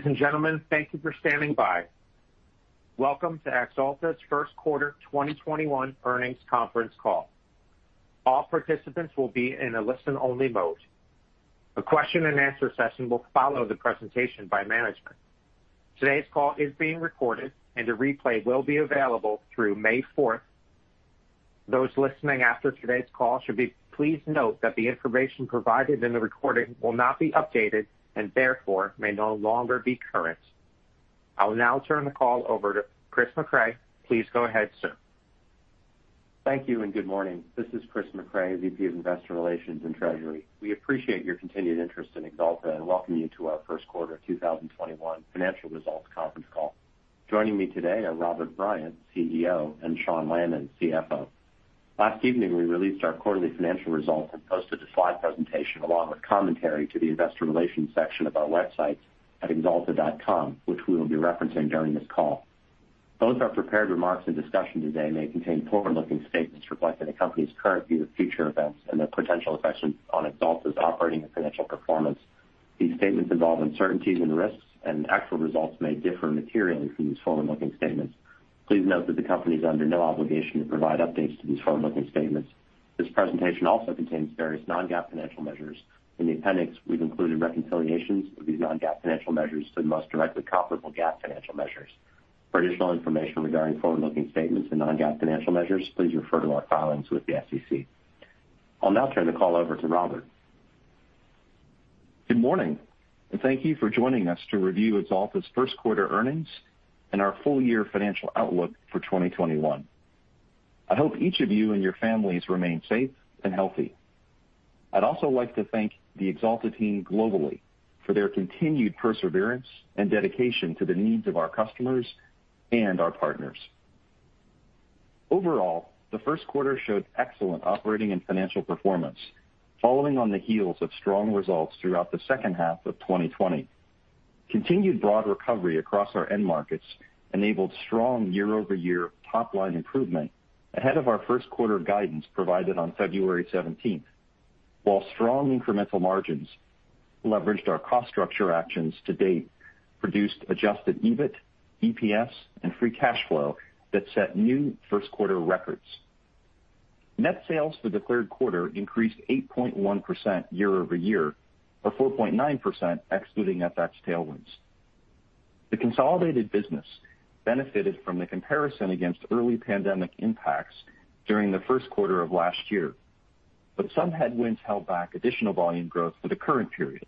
Ladies and gentlemen, thank you for standing by. Welcome to Axalta's first quarter 2021 earnings conference call. All participants will be in a listen-only mode. A question-and-answer session will follow the presentation by management. Today's call is being recorded, and a replay will be available through May 4th. Those listening after today's call should be pleased to note that the information provided in the recording will not be updated, and therefore may no longer be current. I'll now turn the call over to Chris Mecray. Please go ahead, sir. Thank you and good morning. This is Chris Mecray, VP of Investor Relations and Treasury. We appreciate your continued interest in Axalta and welcome you to our first quarter 2021 financial results conference call. Joining me today are Robert Bryant, CEO, and Sean Lannon, CFO. Last evening, we released our quarterly financial results and posted the slide presentation along with commentary to the Investor Relations section of our website at axalta.com, which we will be referencing during this call. Both our prepared remarks and discussion today may contain forward-looking statements reflecting the company's current view of future events and their potential effects on Axalta's operating and financial performance. These statements involve uncertainties and risks, and actual results may differ materially from these forward-looking statements. Please note that the company is under no obligation to provide updates to these forward-looking statements. This presentation also contains various non-GAAP financial measures. In the appendix, we've included reconciliations of these non-GAAP financial measures to the most directly comparable GAAP financial measures. For additional information regarding forward-looking statements and non-GAAP financial measures, please refer to our filings with the SEC. I'll now turn the call over to Robert. Good morning, and thank you for joining us to review Axalta's first quarter earnings and our full-year financial outlook for 2021. I hope each of you and your families remain safe and healthy. I'd also like to thank the Axalta team globally for their continued perseverance and dedication to the needs of our customers and our partners. Overall, the first quarter showed excellent operating and financial performance, following on the heels of strong results throughout the second half of 2020. Continued broad recovery across our end markets enabled strong year-over-year top-line improvement ahead of our first quarter guidance provided on February 17th. While strong incremental margins leveraged our cost structure actions to date produced adjusted EBIT, EPS, and free cash flow that set new first-quarter records. Net sales for the first quarter increased 8.1% year-over-year, or 4.9% excluding FX tailwinds. The consolidated business benefited from the comparison against early pandemic impacts during the first quarter of last year, but some headwinds held back additional volume growth for the current period.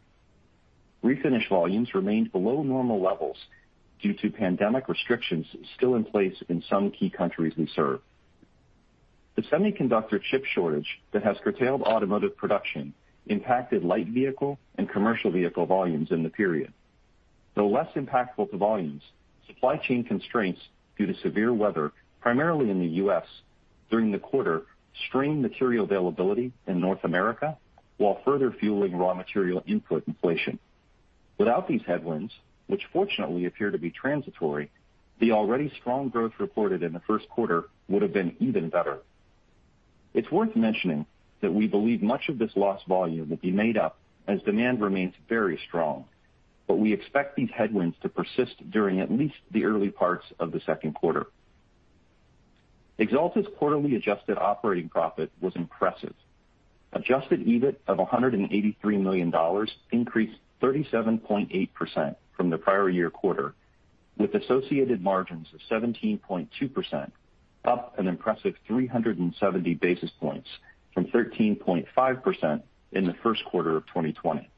Refinish volumes remained below normal levels due to pandemic restrictions still in place in some key countries we serve. The semiconductor chip shortage that has curtailed automotive production impacted light vehicle and commercial vehicle volumes in the period. Though less impactful to volumes, supply chain constraints due to severe weather, primarily in the U.S. during the quarter, strained material availability in North America while further fueling raw material input inflation. Without these headwinds, which fortunately appear to be transitory, the already strong growth reported in the first quarter would have been even better. It's worth mentioning that we believe much of this lost volume will be made up as demand remains very strong. We expect these headwinds to persist during at least the early parts of the second quarter. Axalta's quarterly adjusted operating profit was impressive. Adjusted EBIT of $183 million increased 37.8% from the prior year quarter, with associated margins of 17.2%, up an impressive 370 basis points from 13.5% in the first quarter of 2020.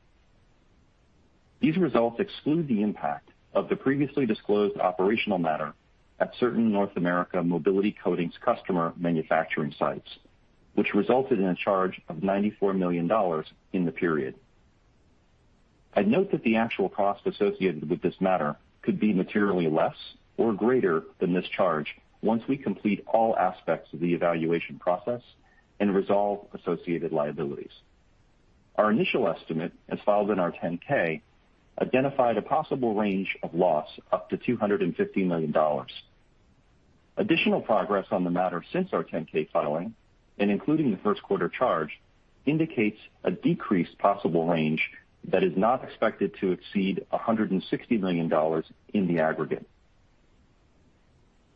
These results exclude the impact of the previously disclosed operational matter at certain North America Mobility Coatings customer manufacturing sites, which resulted in a charge of $94 million in the period. I'd note that the actual cost associated with this matter could be materially less or greater than this charge once we complete all aspects of the evaluation process and resolve associated liabilities. Our initial estimate, as filed in our 10-K, identified a possible range of loss up to $250 million. Additional progress on the matter since our 10-K filing and including the first quarter charge indicates a decreased possible range that is not expected to exceed $160 million in the aggregate.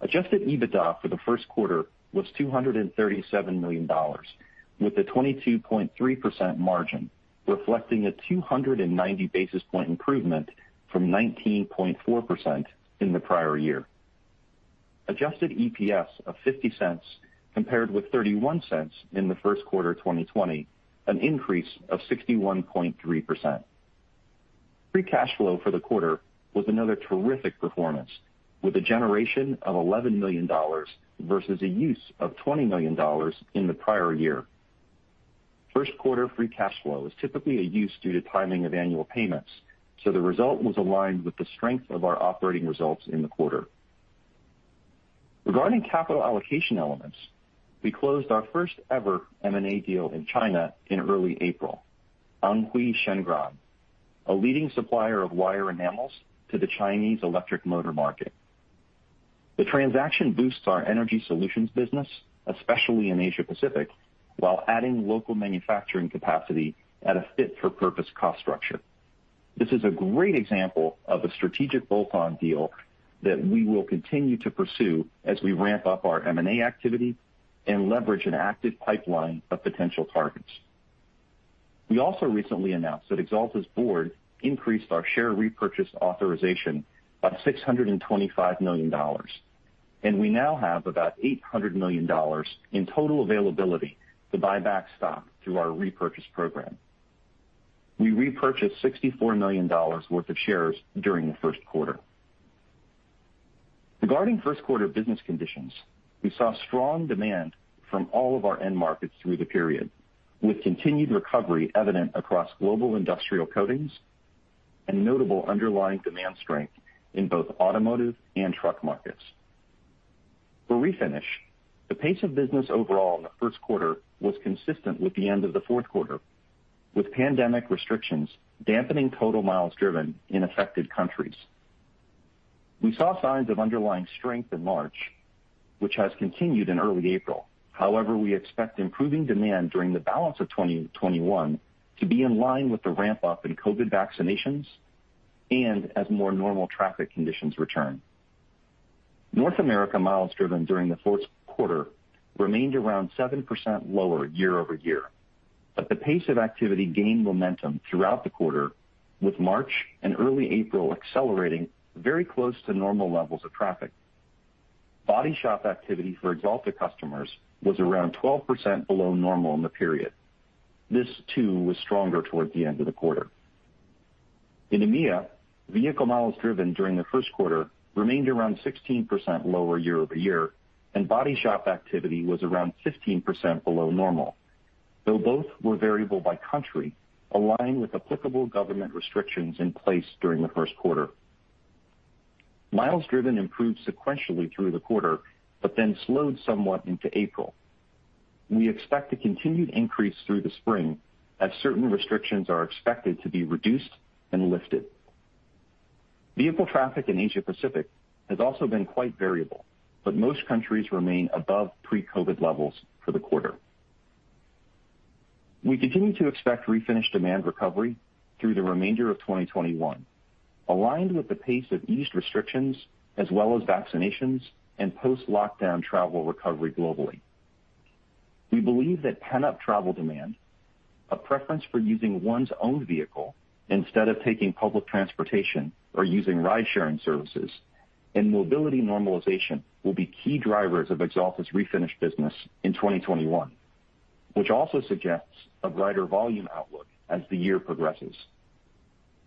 Adjusted EBITDA for the first quarter was $237 million, with a 22.3% margin, reflecting a 290 basis point improvement from 19.4% in the prior year. Adjusted EPS of $0.50 compared with $0.31 in the first quarter 2020, an increase of 61.3%. Free cash flow for the quarter was another terrific performance, with a generation of $11 million versus a use of $20 million in the prior year. First quarter free cash flow is typically a use due to timing of annual payments. The result was aligned with the strength of our operating results in the quarter. Regarding capital allocation elements, we closed our first-ever M&A deal in China in early April. Anhui Shengran, a leading supplier of wire enamels to the Chinese electric motor market. The transaction boosts our Energy Solutions business, especially in Asia Pacific, while adding local manufacturing capacity at a fit-for-purpose cost structure. This is a great example of a strategic bolt-on deal that we will continue to pursue as we ramp up our M&A activity and leverage an active pipeline of potential targets. We also recently announced that Axalta's board increased our share repurchase authorization by $625 million, and we now have about $800 million in total availability to buy back stock through our repurchase program. We repurchased $64 million worth of shares during the first quarter. Regarding first quarter business conditions, we saw strong demand from all of our end markets through the period, with continued recovery evident across global industrial coatings and notable underlying demand strength in both automotive and truck markets. For Refinish, the pace of business overall in the first quarter was consistent with the end of the fourth quarter, with pandemic restrictions dampening total miles driven in affected countries. We saw signs of underlying strength in March, which has continued in early April. However, we expect improving demand during the balance of 2021 to be in line with the ramp-up in COVID vaccinations and as more normal traffic conditions return. North America miles driven during the fourth quarter remained around 7% lower year-over-year, but the pace of activity gained momentum throughout the quarter, with March and early April accelerating very close to normal levels of traffic. Body shop activity for Axalta customers was around 12% below normal in the period. This too was stronger toward the end of the quarter. In EMEA, vehicle miles driven during the first quarter remained around 16% lower year-over-year, and body shop activity was around 15% below normal, though both were variable by country, aligned with applicable government restrictions in place during the first quarter. Miles driven improved sequentially through the quarter, slowed somewhat into April. We expect a continued increase through the spring as certain restrictions are expected to be reduced and lifted. Vehicle traffic in Asia Pacific has also been quite variable. Most countries remain above pre-COVID levels for the quarter. We continue to expect Refinish demand recovery through the remainder of 2021, aligned with the pace of eased restrictions as well as vaccinations and post-lockdown travel recovery globally. We believe that pent-up travel demand, a preference for using one's own vehicle instead of taking public transportation or using ride-sharing services, and mobility normalization will be key drivers of Axalta's Refinish business in 2021, which also suggests a brighter volume outlook as the year progresses.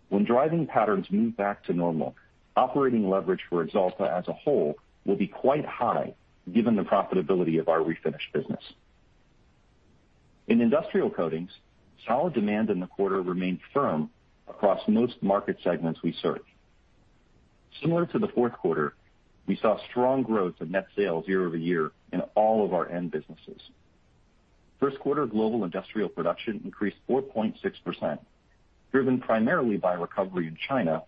When driving patterns move back to normal, operating leverage for Axalta as a whole will be quite high given the profitability of our Refinish business. In industrial coatings, solid demand in the quarter remained firm across most market segments we serve. Similar to the fourth quarter, we saw strong growth in net sales year-over-year in all of our end businesses. First quarter global industrial production increased 4.6%, driven primarily by recovery in China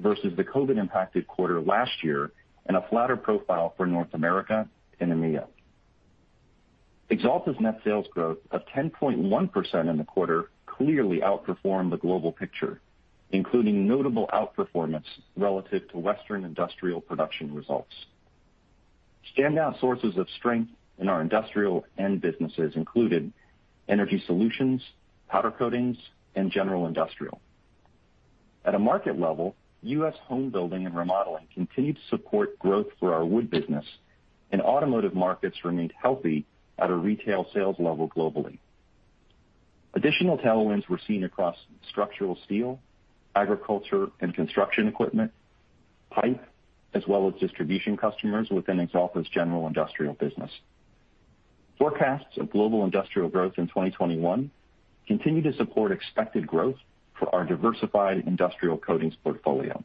versus the COVID-impacted quarter last year and a flatter profile for North America and EMEA. Axalta's net sales growth of 10.1% in the quarter clearly outperformed the global picture, including notable outperformance relative to Western industrial production results. Standout sources of strength in our industrial end businesses included Energy Solutions, powder coatings, and general industrial. At a market level, U.S. home building and remodeling continued to support growth for our wood business, and automotive markets remained healthy at a retail sales level globally. Additional tailwinds were seen across structural steel, agriculture, and construction equipment, pipe, as well as distribution customers within Axalta's general industrial business. Forecasts of global industrial growth in 2021 continue to support expected growth for our diversified industrial coatings portfolio.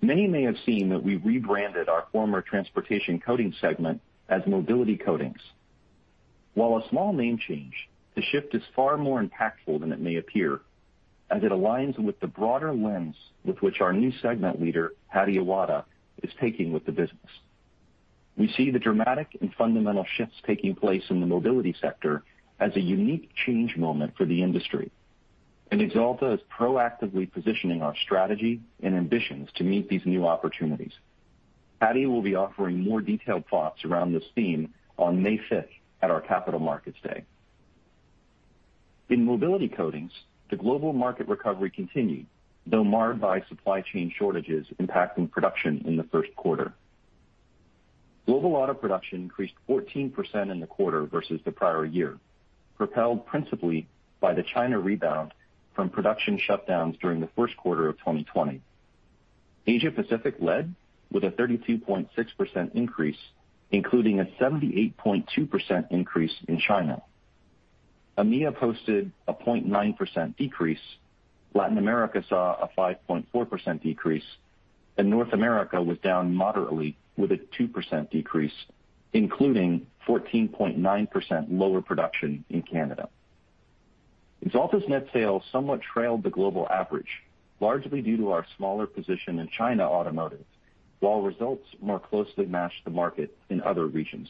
Many may have seen that we rebranded our former Transportation Coatings segment as Mobility Coatings. While a small name change, the shift is far more impactful than it may appear, as it aligns with the broader lens with which our new segment leader, Hadi Awada, is taking with the business. We see the dramatic and fundamental shifts taking place in the mobility sector as a unique change moment for the industry, and Axalta is proactively positioning our strategy and ambitions to meet these new opportunities. Patty will be offering more detailed thoughts around this theme on May 5th at our Capital Markets Day. In Mobility Coatings, the global market recovery continued, though marred by supply chain shortages impacting production in the first quarter. Global auto production increased 14% in the quarter versus the prior year, propelled principally by the China rebound from production shutdowns during the first quarter of 2020. Asia Pacific led with a 32.6% increase, including a 78.2% increase in China. EMEA posted a 0.9% decrease, Latin America saw a 5.4% decrease, and North America was down moderately with a 2% decrease, including 14.9% lower production in Canada. Axalta's net sales somewhat trailed the global average, largely due to our smaller position in China automotive, while results more closely matched the market in other regions.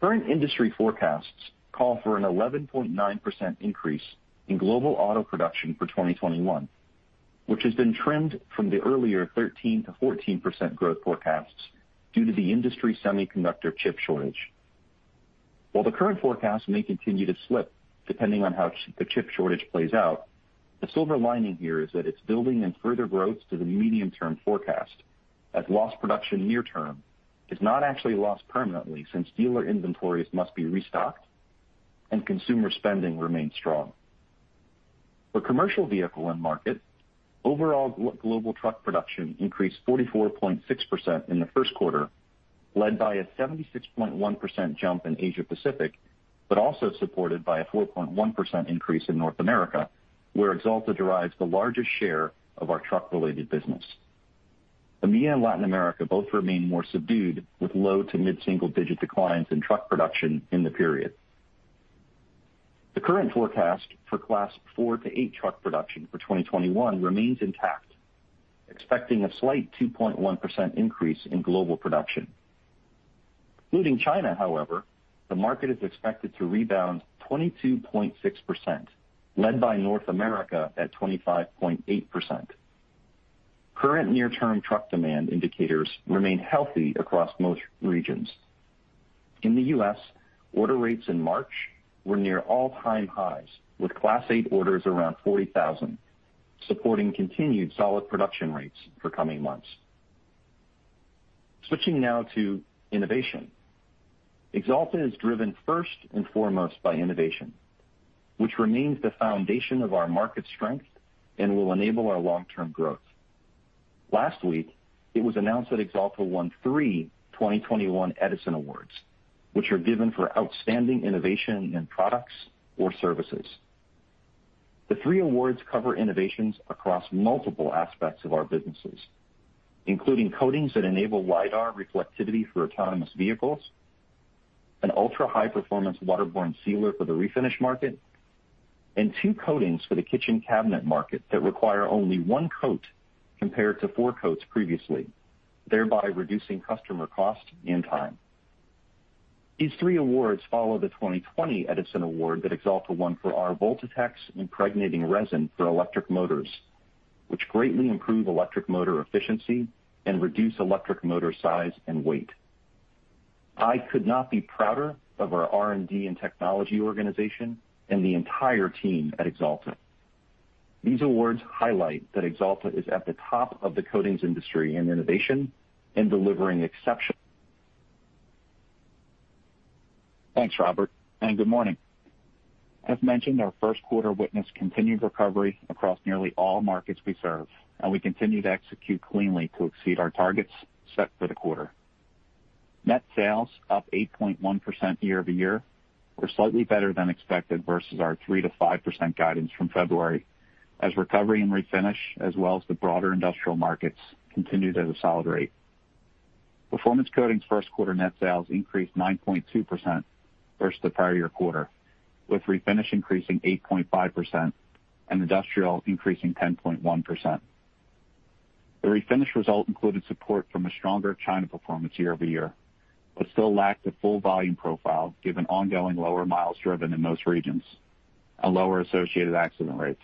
Current industry forecasts call for an 11.9% increase in global auto production for 2021, which has been trend from the earlier 13%-14% growth forecasts due to the industry semiconductor chip shortage. While the current forecast may continue to slip depending on how the chip shortage plays out, the silver lining here is that it's building in further growth to the medium-term forecast, as lost production near term is not actually lost permanently since dealer inventories must be restocked, and consumer spending remains strong. For commercial vehicle end market, overall global truck production increased 44.6% in the first quarter, led by a 76.1% jump in Asia Pacific, but also supported by a 4.1% increase in North America, where Axalta derives the largest share of our truck-related business. EMEA and Latin America both remain more subdued, with low to mid-single-digit declines in truck production in the period. The current forecast for Class 4 to 8 truck production for 2021 remains intact, expecting a slight 2.1% increase in global production. Including China, however, the market is expected to rebound 22.6%, led by North America at 25.8%. Current near-term truck demand indicators remain healthy across most regions. In the U.S., order rates in March were near all-time highs, with Class 8 orders around 40,000, supporting continued solid production rates for coming months. Switching now to innovation. Axalta is driven first and foremost by innovation, which remains the foundation of our market strength and will enable our long-term growth. Last week, it was announced that Axalta won three 2021 Edison Awards, which are given for outstanding innovation in products or services. The three awards cover innovations across multiple aspects of our businesses, including coatings that enable LiDAR reflectivity for autonomous vehicles, an ultra-high performance waterborne sealer for the Refinish market, and two coatings for the kitchen cabinet market that require only one coat compared to four coats previously, thereby reducing customer cost and time. These three awards follow the 2020 Edison Award that Axalta won for our Voltatex impregnating resin for electric motors, which greatly improve electric motor efficiency and reduce electric motor size and weight. I could not be prouder of our R&D and technology organization and the entire team at Axalta. These awards highlight that Axalta is at the top of the coatings industry in innovation and delivering exceptional. Thanks, Robert. Good morning. As mentioned, our first quarter witnessed continued recovery across nearly all markets we serve, and we continue to execute cleanly to exceed our targets set for the quarter. Net sales up 8.1% year-over-year were slightly better than expected versus our 3%-5% guidance from February, as recovery in Refinish as well as the broader industrial markets continued at a solid rate. Performance Coatings' first quarter net sales increased 9.2% versus the prior year quarter, with Refinish increasing 8.5% and industrial increasing 10.1%. The Refinish result included support from a stronger China performance year-over-year, but still lacked a full volume profile given ongoing lower miles driven in most regions and lower associated accident rates.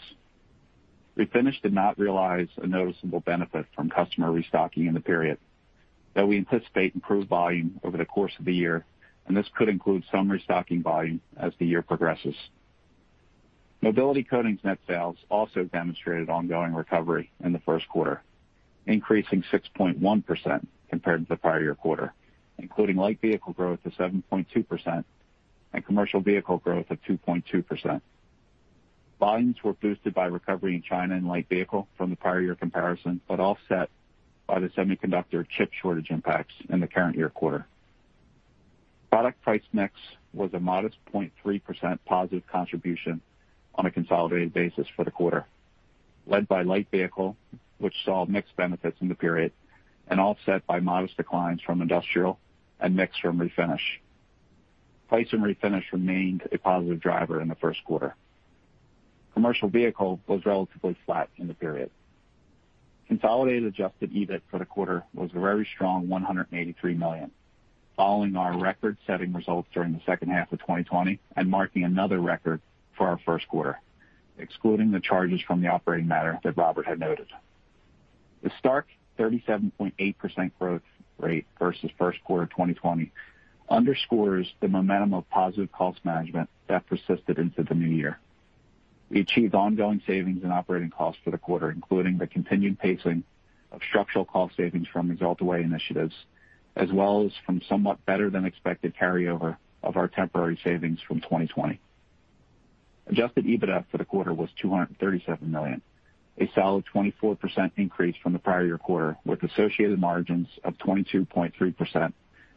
Refinish did not realize a noticeable benefit from customer restocking in the period, though we anticipate improved volume over the course of the year, and this could include some restocking volume as the year progresses. Mobility Coatings' net sales also demonstrated ongoing recovery in the first quarter, increasing 6.1% compared to the prior year quarter, including light vehicle growth of 7.2% and commercial vehicle growth of 2.2%. Volumes were boosted by recovery in China and light vehicle from the prior year comparison, but offset by the semiconductor chip shortage impacts in the current year quarter. Product price mix was a modest 0.3% positive contribution on a consolidated basis for the quarter, led by light vehicle, which saw mixed benefits in the period and offset by modest declines from industrial and mix from Refinish. Price and Refinish remained a positive driver in the first quarter. Commercial vehicle was relatively flat in the period. Consolidated adjusted EBIT for the quarter was a very strong $183 million, following our record-setting results during the second half of 2020 and marking another record for our first quarter, excluding the charges from the operating matter that Robert had noted. The stark 37.8% growth rate versus first quarter 2020 underscores the momentum of positive cost management that persisted into the new year. We achieved ongoing savings in operating costs for the quarter, including the continued pacing of structural cost savings from The Axalta Way initiatives, as well as from somewhat better than expected carryover of our temporary savings from 2020. Adjusted EBITDA for the quarter was $237 million, a solid 24% increase from the prior year quarter, with associated margins of 22.3%,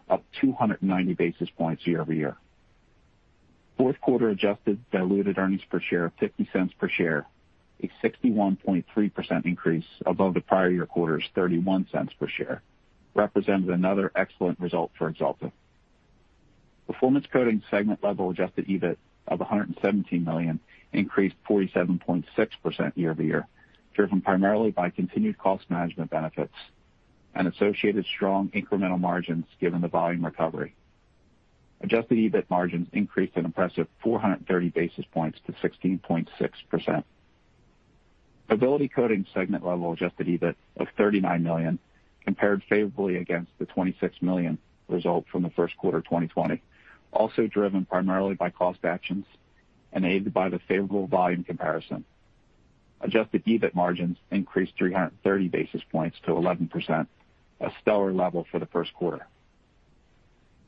up 290 basis points year-over-year. Fourth quarter adjusted diluted earnings per share of $0.50 per share, a 61.3% increase above the prior year quarter's $0.31 per share, represented another excellent result for Axalta. Performance Coatings segment level adjusted EBIT of $117 million increased 47.6% year-over-year, driven primarily by continued cost management benefits and associated strong incremental margins given the volume recovery. Adjusted EBIT margins increased an impressive 430 basis points to 16.6%. Mobility Coatings segment level adjusted EBIT of $39 million compared favorably against the $26 million result from the first quarter 2020, also driven primarily by cost actions and aided by the favorable volume comparison. Adjusted EBIT margins increased 330 basis points to 11%, a stellar level for the first quarter.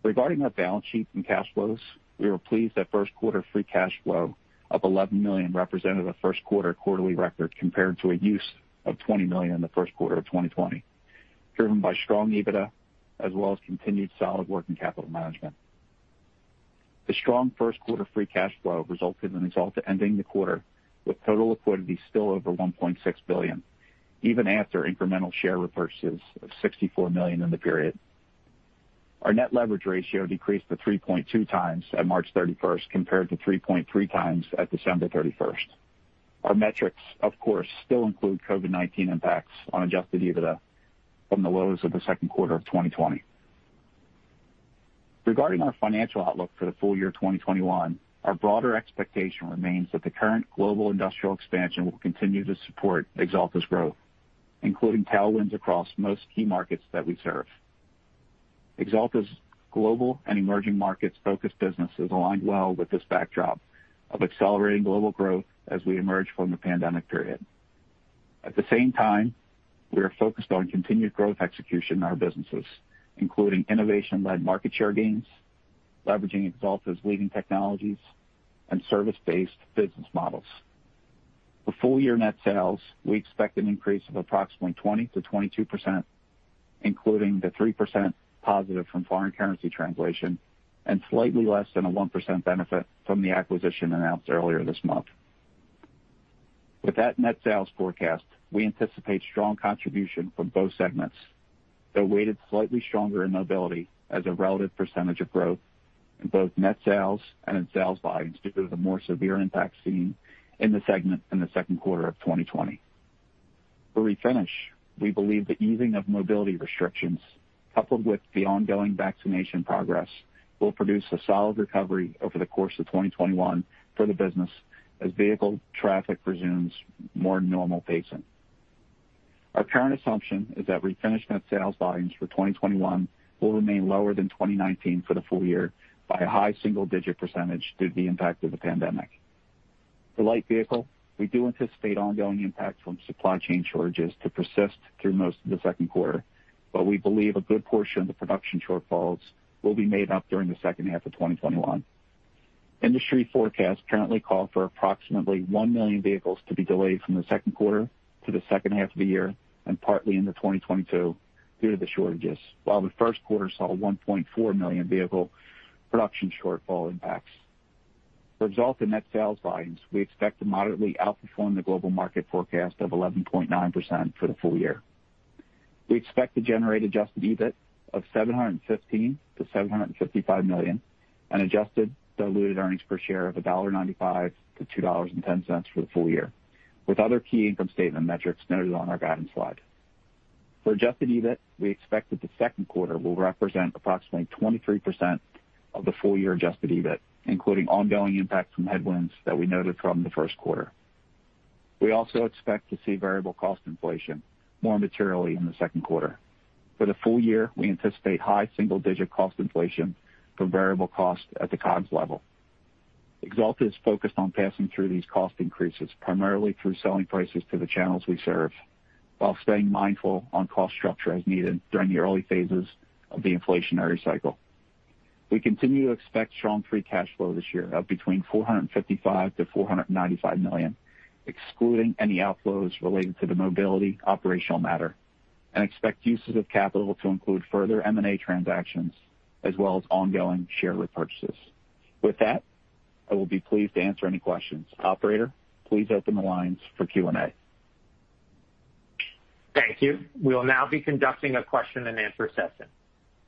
Regarding our balance sheet and cash flows, we were pleased that first quarter free cash flow of $11 million represented a first quarter quarterly record compared to a use of $20 million in the first quarter of 2020, driven by strong EBITDA as well as continued solid working capital management. The strong first quarter free cash flow resulted in Axalta ending the quarter with total liquidity still over $1.6 billion, even after incremental share repurchases of $64 million in the period. Our net leverage ratio decreased to 3.2x at March 31st compared to 3.3x at December 31st. Our metrics, of course, still include COVID-19 impacts on adjusted EBITDA from the lows of the second quarter of 2020. Regarding our financial outlook for the full year 2021, our broader expectation remains that the current global industrial expansion will continue to support Axalta's growth, including tailwinds across most key markets that we serve. Axalta's global and emerging markets-focused business is aligned well with this backdrop of accelerating global growth as we emerge from the pandemic period. At the same time, we are focused on continued growth execution in our businesses, including innovation-led market share gains, leveraging Axalta's leading technologies, and service-based business models. For full year net sales, we expect an increase of approximately 20%-22%, including the 3% positive from foreign currency translation, and slightly less than a 1% benefit from the acquisition announced earlier this month. With that net sales forecast, we anticipate strong contribution from both segments, though weighted slightly stronger in Mobility as a relative percentage of growth in both net sales and in sales volumes due to the more severe impact seen in the segment in the second quarter of 2020. For Refinish, we believe the easing of mobility restrictions, coupled with the ongoing vaccination progress, will produce a solid recovery over the course of 2021 for the business as vehicle traffic resumes more normal pacing. Our current assumption is that Refinish net sales volumes for 2021 will remain lower than 2019 for the full year by a high single-digit percentage due to the impact of the pandemic. For light vehicle, we do anticipate ongoing impacts from supply chain shortages to persist through most of the second quarter, but we believe a good portion of the production shortfalls will be made up during the second half of 2021. Industry forecasts currently call for approximately 1 million vehicles to be delayed from the second quarter to the second half of the year and partly into 2022 due to the shortages, while the first quarter saw 1.4 million vehicle production shortfall impacts. For Axalta net sales volumes, we expect to moderately outperform the global market forecast of 11.9% for the full year. We expect to generate adjusted EBIT of $715 million-$755 million and adjusted diluted earnings per share of $1.95-$2.10 for the full year, with other key income statement metrics noted on our guidance slide. For adjusted EBIT, we expect that the second quarter will represent approximately 23% of the full-year adjusted EBIT, including ongoing impacts from headwinds that we noted from the first quarter. We also expect to see variable cost inflation more materially in the second quarter. For the full year, we anticipate high single-digit cost inflation for variable costs at the COGS level. Axalta is focused on passing through these cost increases primarily through selling prices to the channels we serve while staying mindful on cost structure as needed during the early phases of the inflationary cycle. We continue to expect strong free cash flow this year of between $455 million-$495 million, excluding any outflows related to the Mobility operational matter, and expect uses of capital to include further M&A transactions as well as ongoing share repurchases. With that, I will be pleased to answer any questions. Operator, please open the lines for Q&A. Thank you. We will now be conducting a question-and-answer session.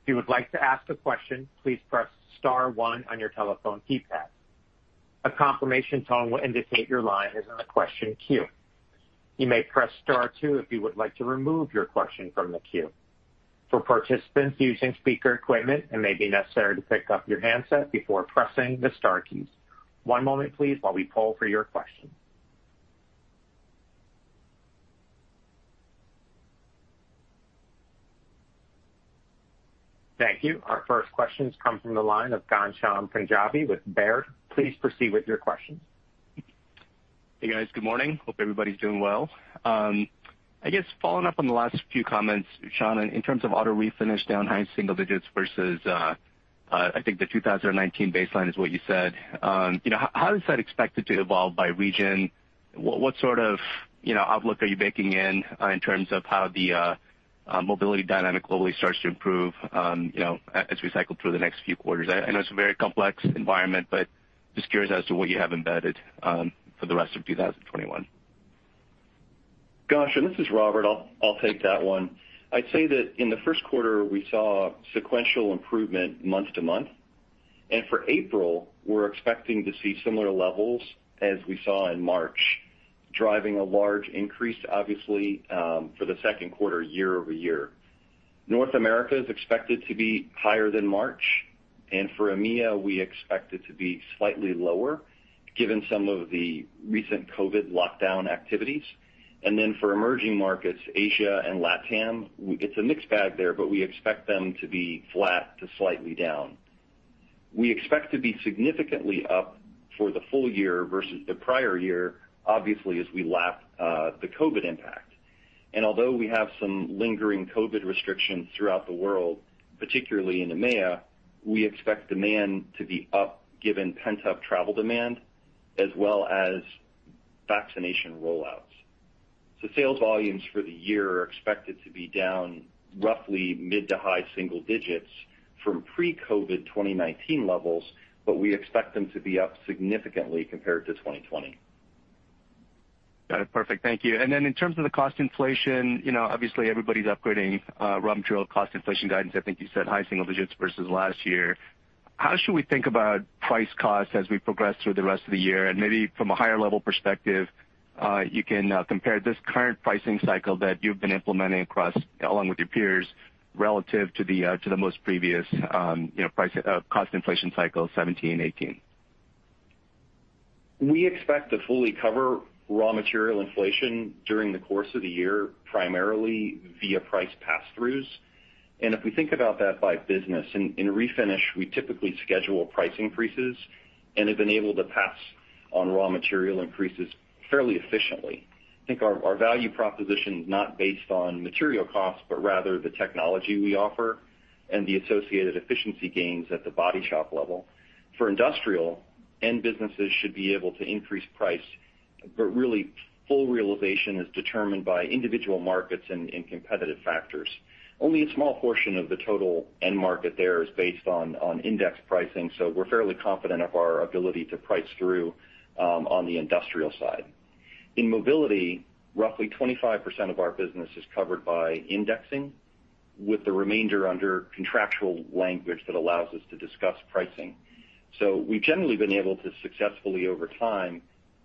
If you would like to ask a question please press star one your telephone keypad. A confirmation tone will indicate your line is in the question queue. You may press star two if you would like to remove your question from the queue. For participants using speaker equipment it may be necessary to pick up your handset before pressing the star keys. One moment please while we pausefor your questions. Our first questions come from the line of Ghansham Panjabi with Baird. Please proceed with your questions. Hey, guys. Good morning. Hope everybody's doing well. I guess following up on the last few comments, Sean, in terms of auto Refinish down high single digits versus, I think the 2019 baseline is what you said. How is that expected to evolve by region? What sort of outlook are you baking in terms of how the mobility dynamic globally starts to improve as we cycle through the next few quarters? I know it's a very complex environment, just curious as to what you have embedded for the rest of 2021. Ghansham, this is Robert. I'll take that one. I'd say that in the first quarter, we saw sequential improvement month-to-month. For April, we're expecting to see similar levels as we saw in March, driving a large increase, obviously, for the second quarter year-over-year. North America is expected to be higher than March. For EMEA, we expect it to be slightly lower given some of the recent COVID lockdown activities. Then for emerging markets, Asia and LATAM, it's a mixed bag there, but we expect them to be flat to slightly down. We expect to be significantly up for the full year versus the prior year, obviously, as we lap the COVID impact. Although we have some lingering COVID restrictions throughout the world, particularly in EMEA, we expect demand to be up, given pent-up travel demand as well as vaccination rollouts. Sales volumes for the year are expected to be down roughly mid to high single digits from pre-COVID 2019 levels, but we expect them to be up significantly compared to 2020. Got it. Perfect. Thank you. In terms of the cost inflation, obviously everybody's upgrading raw material cost inflation guidance. I think you said high single digits versus last year. How should we think about price cost as we progress through the rest of the year? Maybe from a higher level perspective, you can compare this current pricing cycle that you've been implementing across, along with your peers, relative to the most previous cost inflation cycle 2017 and 2018. We expect to fully cover raw material inflation during the course of the year, primarily via price pass-throughs. If we think about that by business, in Refinish, we typically schedule price increases and have been able to pass on raw material increases fairly efficiently. I think our value proposition is not based on material costs, but rather the technology we offer and the associated efficiency gains at the body shop level. For Industrial, end businesses should be able to increase price, but really full realization is determined by individual markets and competitive factors. Only a small portion of the total end market there is based on index pricing, so we're fairly confident of our ability to price through on the Industrial side. In Mobility, roughly 25% of our business is covered by indexing, with the remainder under contractual language that allows us to discuss pricing. We've generally been able to successfully, over time,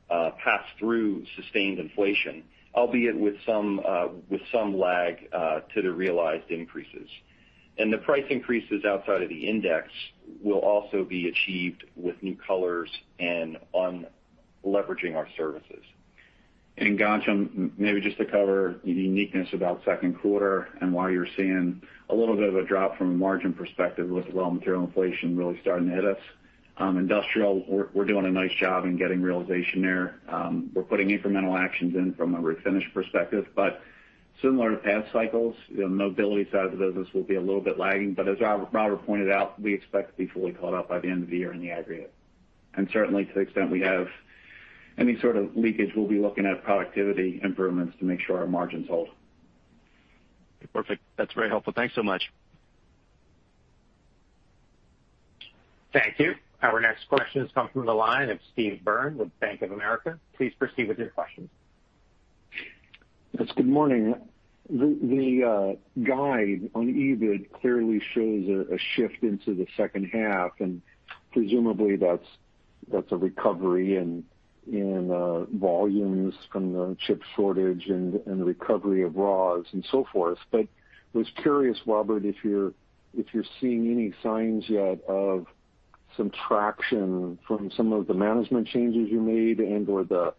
pass through sustained inflation, albeit with some lag to the realized increases. The price increases outside of the index will also be achieved with new colors and on leveraging our services. Ghansham, maybe just to cover the uniqueness about second quarter and why you're seeing a little bit of a drop from a margin perspective with raw material inflation really starting to hit us. Industrial, we're doing a nice job in getting realization there. We're putting incremental actions in from a Refinish perspective, similar to past cycles, the Mobility side of the business will be a little bit lagging. As Robert pointed out, we expect to be fully caught up by the end of the year in the aggregate. Certainly to the extent we have any sort of leakage, we'll be looking at productivity improvements to make sure our margins hold. Perfect. That's very helpful. Thanks so much. Thank you. Our next question is coming from the line of Steve Byrne with Bank of America. Please proceed with your questions. Yes, good morning. The guide on EBIT clearly shows a shift into the second half. Presumably that's a recovery in volumes from the chip shortage and the recovery of raws and so forth. I was curious, Robert, if you're seeing any signs yet of some traction from some of the management changes you made and/or the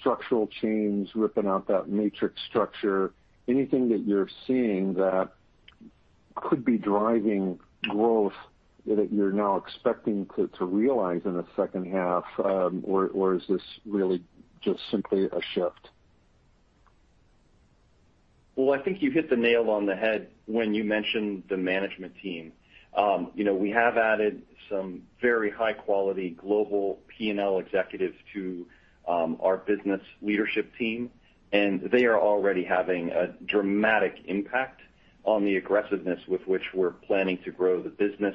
structural change ripping out that matrix structure. Anything that you're seeing that could be driving growth that you're now expecting to realize in the second half? Is this really just simply a shift? Well, I think you hit the nail on the head when you mentioned the management team. We have added some very high-quality global P&L executives to our business leadership team, and they are already having a dramatic impact on the aggressiveness with which we're planning to grow the business,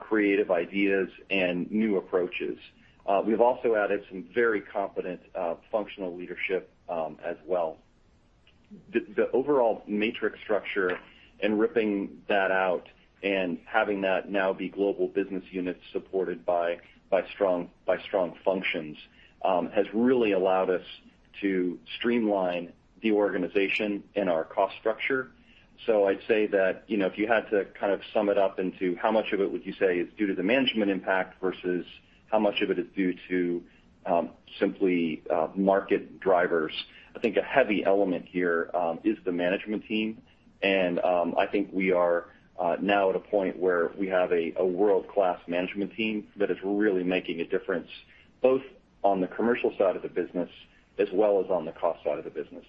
creative ideas, and new approaches. We've also added some very competent functional leadership as well. The overall matrix structure and ripping that out and having that now be global business units supported by strong functions has really allowed us to streamline the organization and our cost structure. I'd say that if you had to kind of sum it up into how much of it would you say is due to the management impact versus how much of it is due to simply market drivers, I think a heavy element here is the management team. I think we are now at a point where we have a world-class management team that is really making a difference, both on the commercial side of the business as well as on the cost side of the business.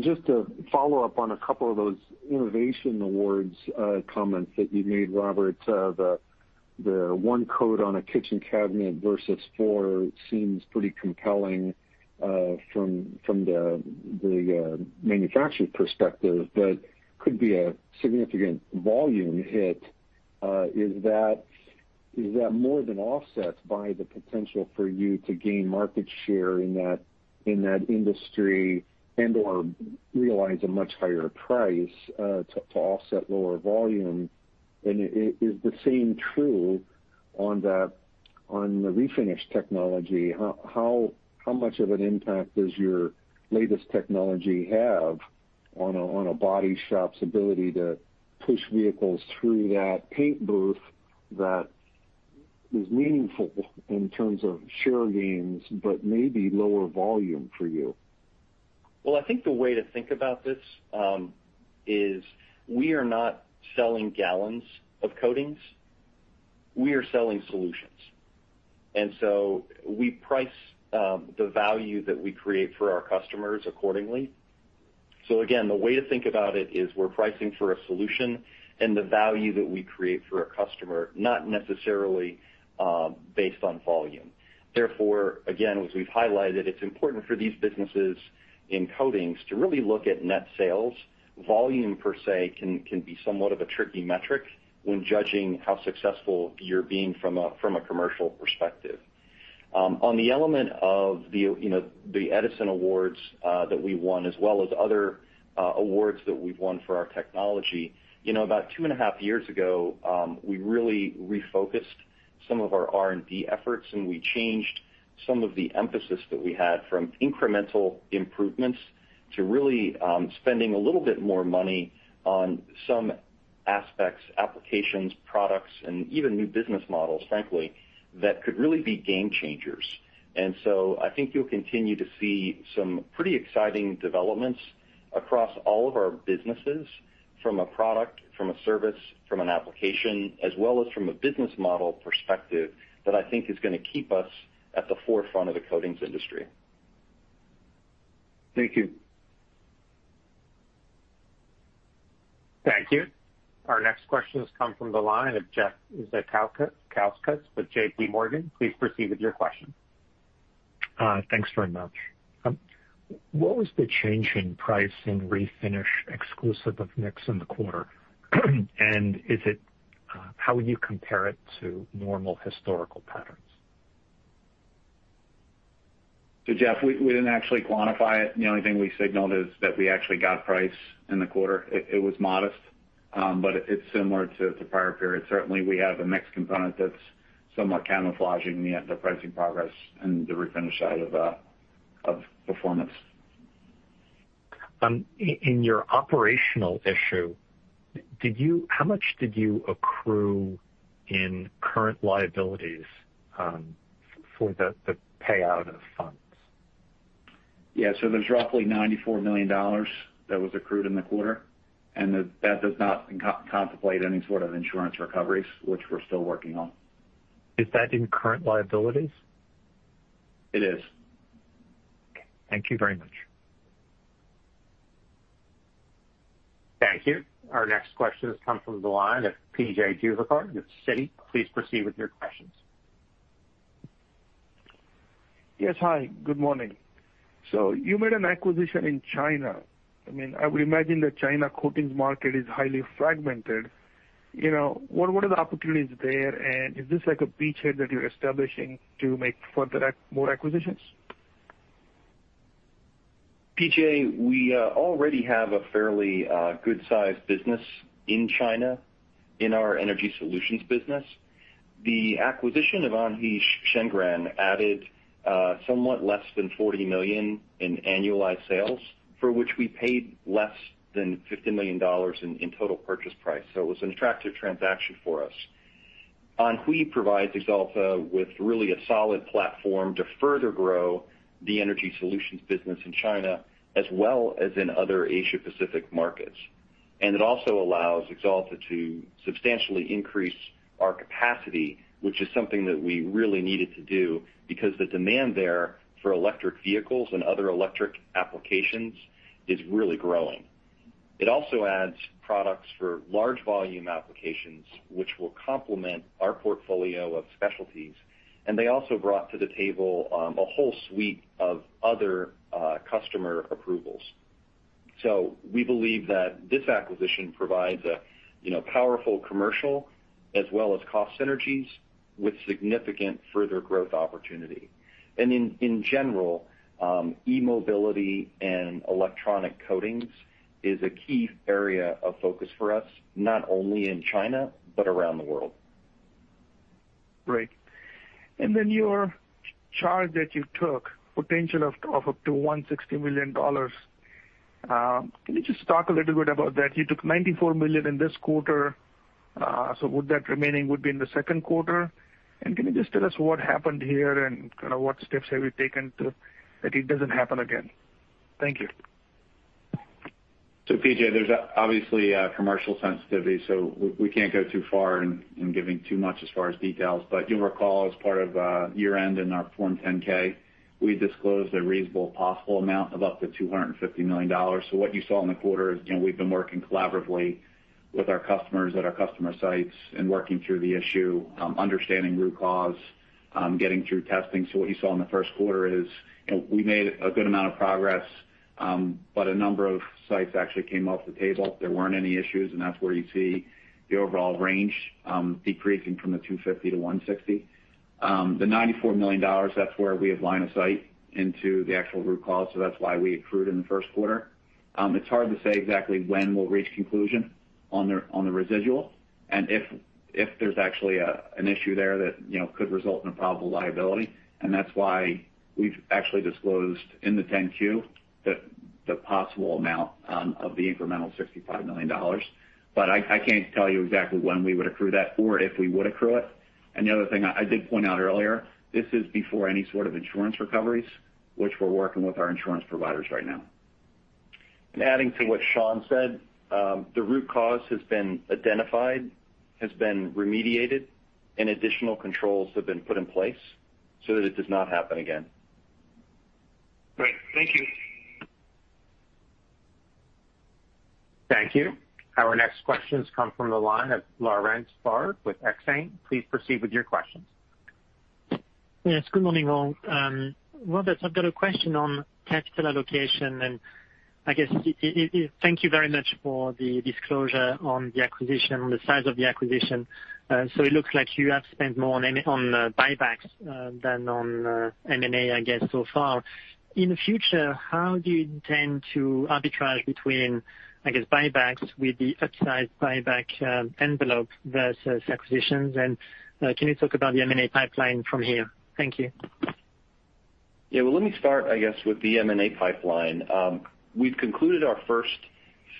Just to follow up on a couple of those Edison Awards comments that you made, Robert. The one coat on a kitchen cabinet versus four seems pretty compelling from the manufacturer perspective, but could be a significant volume hit? Is that more than offset by the potential for you to gain market share in that industry and/or realize a much higher price, to offset lower volume? Is the same true on the Refinish technology? How much of an impact does your latest technology have on a body shop's ability to push vehicles through that paint booth that is meaningful in terms of share gains, but maybe lower volume for you? Well, I think the way to think about this, is we are not selling gallons of coatings. We are selling solutions. We price the value that we create for our customers accordingly. Again, the way to think about it is we're pricing for a solution and the value that we create for a customer, not necessarily based on volume. Again, as we've highlighted, it's important for these businesses in coatings to really look at net sales. Volume per se, can be somewhat of a tricky metric when judging how successful you're being from a commercial perspective. On the element of the Edison Awards that we won, as well as other awards that we've won for our technology. About two and a half years ago, we really refocused some of our R&D efforts. We changed some of the emphasis that we had from incremental improvements to really spending a little bit more money on some aspects, applications, products, and even new business models, frankly, that could really be game changers. I think you'll continue to see some pretty exciting developments across all of our businesses from a product, from a service, from an application, as well as from a business model perspective that I think is going to keep us at the forefront of the coatings industry. Thank you. Thank you. Our next question has come from the line of Jeff Zekauskas with JPMorgan. Please proceed with your question. Thanks very much. What was the change in price in Refinish exclusive of mix in the quarter? How would you compare it to normal historical patterns? Jeff, we didn't actually quantify it. The only thing we signaled is that we actually got price in the quarter. It was modest, but it's similar to the prior period. Certainly, we have a mix component that's somewhat camouflaging the pricing progress in the Refinish side of Performance. In your operational issue, how much did you accrue in current liabilities, for the payout of funds? Yeah. There's roughly $94 million that was accrued in the quarter, and that does not contemplate any sort of insurance recoveries, which we're still working on. Is that in current liabilities? It is. Okay. Thank you very much. Thank you. Our next question has come from the line of P.J. Juvekar with Citi. Please proceed with your questions. Yes. Hi, good morning. You made an acquisition in China. I would imagine the China coatings market is highly fragmented. What are the opportunities there? Is this like a beachhead that you're establishing to make more acquisitions? P.J., we already have a fairly good sized business in China in our Energy Solutions business. The acquisition of Anhui Shengran added somewhat less than 40 million in annualized sales, for which we paid less than $50 million in total purchase price. It was an attractive transaction for us. Anhui provides Axalta with really a solid platform to further grow the Energy Solutions business in China, as well as in other Asia-Pacific markets. It also allows Axalta to substantially increase our capacity, which is something that we really needed to do, because the demand there for electric vehicles and other electric applications is really growing. It also adds products for large volume applications, which will complement our portfolio of specialties, and they also brought to the table a whole suite of other customer approvals. We believe that this acquisition provides a powerful commercial as well as cost synergies with significant further growth opportunity. In general, e-mobility and electronic coatings is a key area of focus for us, not only in China, but around the world. Great. Your charge that you took, potential of up to $160 million. Can you just talk a little bit about that? You took $94 million in this quarter. Would that remaining be in the second quarter? Can you just tell us what happened here and kind of what steps have you taken so that it doesn't happen again? Thank you. P.J., there's obviously a commercial sensitivity, so we can't go too far in giving too much as far as details. You'll recall as part of year-end in our Form 10-K, we disclosed a reasonable possible amount of up to $250 million. What you saw in the quarter is we've been working collaboratively with our customers at our customer sites and working through the issue, understanding root cause, getting through testing. What you saw in the first quarter is we made a good amount of progress. A number of sites actually came off the table. There weren't any issues, and that's where you see the overall range decreasing from the $250 million to $160 million. The $94 million, that's where we have line of sight into the actual root cause. That's why we accrued in the first quarter. It's hard to say exactly when we'll reach conclusion on the residual and if there's actually an issue there that could result in a probable liability. That's why we've actually disclosed in the 10-Q the possible amount of the incremental $65 million. I can't tell you exactly when we would accrue that or if we would accrue it. The other thing I did point out earlier, this is before any sort of insurance recoveries, which we're working with our insurance providers right now. Adding to what Sean said, the root cause has been identified, has been remediated, and additional controls have been put in place so that it does not happen again. Great. Thank you. Thank you. Our next questions come from the line of Laurent Favre with Exane BNP Paribas. Please proceed with your questions. Yes. Good morning, all. Robert, I've got a question on capital allocation. Thank you very much for the disclosure on the acquisition, the size of the acquisition. It looks like you have spent more on buybacks than on M&A so far. In the future, how do you intend to arbitrage between buybacks with the upsized buyback envelope versus acquisitions? Can you talk about the M&A pipeline from here? Thank you. Yeah. Well, let me start, I guess, with the M&A pipeline. We've concluded our first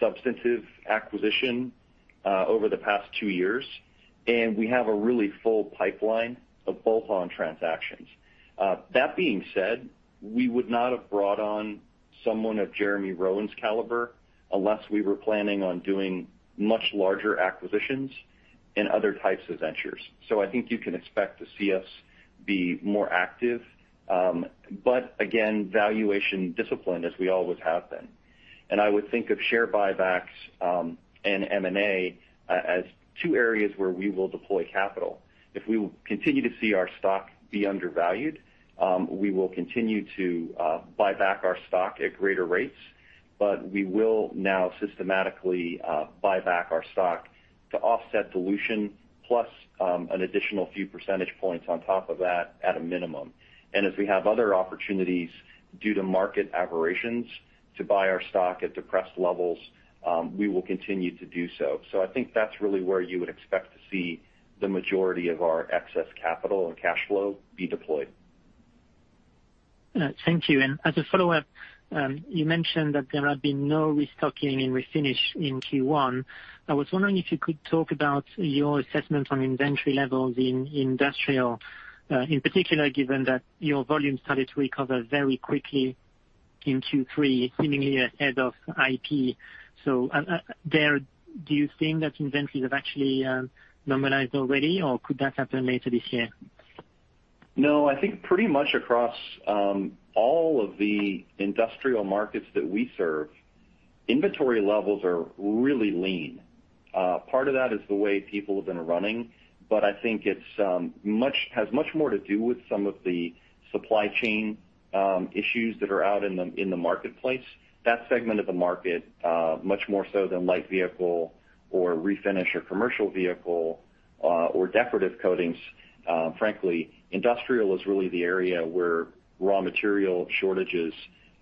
substantive acquisition over the past two years, and we have a really full pipeline of bolt-on transactions. That being said, we would not have brought on someone of Jeremy Rohen's caliber unless we were planning on doing much larger acquisitions in other types of ventures. I think you can expect to see us be more active. Again, valuation discipline, as we always have been. I would think of share buybacks and M&A as two areas where we will deploy capital. If we continue to see our stock be undervalued, we will continue to buy back our stock at greater rates, but we will now systematically buy back our stock to offset dilution plus an additional few percentage points on top of that at a minimum. If we have other opportunities due to market aberrations to buy our stock at depressed levels, we will continue to do so. I think that's really where you would expect to see the majority of our excess capital and cash flow be deployed. Thank you. As a follow-up, you mentioned that there have been no restocking in Refinish in Q1, I was wondering if you could talk about your assessment on inventory levels in Industrial, in particular, given that your volume started to recover very quickly in Q3, seemingly ahead of IP. There, do you think that inventories have actually normalized already, or could that happen later this year? I think pretty much across all of the industrial markets that we serve, inventory levels are really lean. Part of that is the way people have been running, but I think it has much more to do with some of the supply chain issues that are out in the marketplace. That segment of the market, much more so than light vehicle or Refinish or commercial vehicle, or decorative coatings, frankly, industrial is really the area where raw material shortages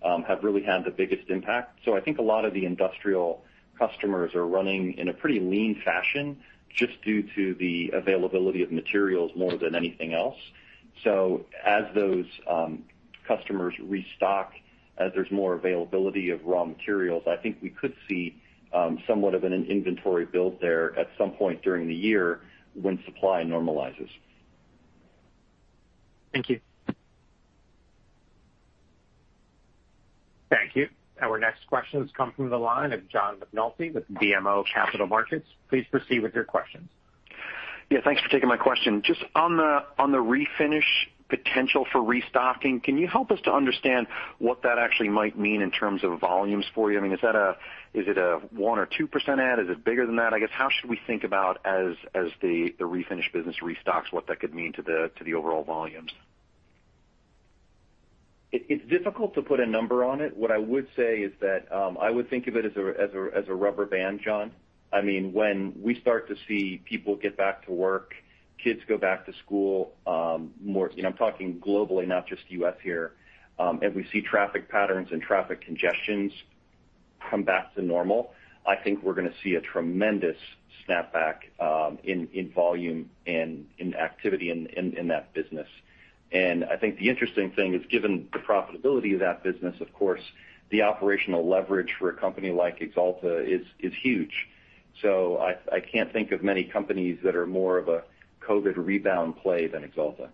have really had the biggest impact. I think a lot of the industrial customers are running in a pretty lean fashion just due to the availability of materials more than anything else. As those customers restock, as there's more availability of raw materials, I think we could see somewhat of an inventory build there at some point during the year when supply normalizes. Thank you. Thank you. Our next questions come from the line of John McNulty with BMO Capital Markets. Please proceed with your questions. Yeah. Thanks for taking my question. Just on the Refinish potential for restocking, can you help us to understand what that actually might mean in terms of volumes for you? Is it a 1% or 2% add? Is it bigger than that? I guess, how should we think about as the Refinish business restocks, what that could mean to the overall volumes? It's difficult to put a number on it. What I would say is that, I would think of it as a rubber band, John. When we start to see people get back to work, kids go back to school, I'm talking globally, not just U.S. here, we see traffic patterns and traffic congestions come back to normal, I think we're going to see a tremendous snapback in volume and in activity in that business. I think the interesting thing is, given the profitability of that business, of course, the operational leverage for a company like Axalta is huge. I can't think of many companies that are more of a COVID rebound play than Axalta.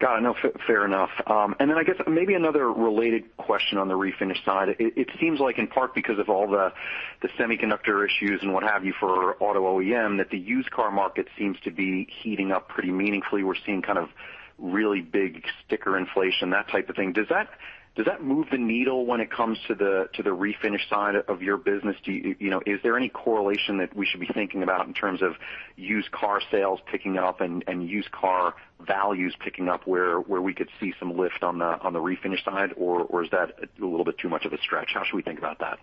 Got it. No, fair enough. I guess maybe another related question on the Refinish side. It seems like in part because of all the semiconductor issues and what have you for auto OEM, that the used car market seems to be heating up pretty meaningfully. We're seeing kind of really big sticker inflation, that type of thing. Does that move the needle when it comes to the Refinish side of your business? Is there any correlation that we should be thinking about in terms of used car sales picking up and used car values picking up where we could see some lift on the Refinish side, or is that a little bit too much of a stretch? How should we think about that?